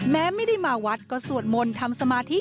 แม้ไม่ได้มาวัดก็สวดมนต์ทำสมาธิ